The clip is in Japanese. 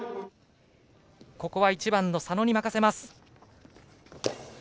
１番の佐野に任せます。